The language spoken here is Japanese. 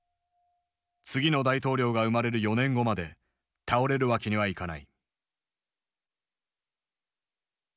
次の大統領が生まれる４年後まで倒れるわけにはいかない。